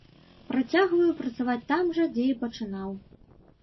Працягваю працаваць там жа, дзе і пачынаў.